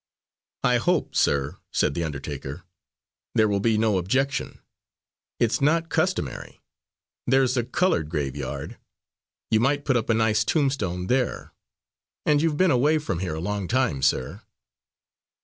"I hope, sir," said the undertaker, "there will be no objection. It's not customary there's a coloured graveyard you might put up a nice tombstone there and you've been away from here a long time, sir."